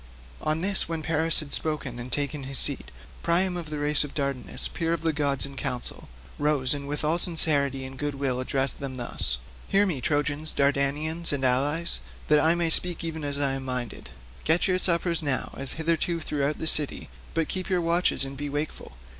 On this, when Paris had spoken and taken his seat, Priam of the race of Dardanus, peer of gods in council, rose and with all sincerity and goodwill addressed them thus: "Hear me, Trojans, Dardanians, and allies, that I may speak even as I am minded. Get your suppers now as hitherto throughout the city, but keep your watches and be wakeful.